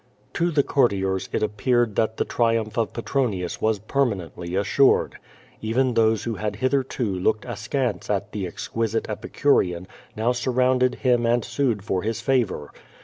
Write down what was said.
To the courtiers it appeared that the triumph of Petronius was ]>ermanently assured. Even those who had hitherto looked askance at the exquisite epicurean now surrounded QUO r A /)//?. ctgi him and sued for his favor.